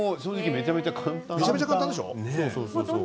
めちゃめちゃ簡単でしょう？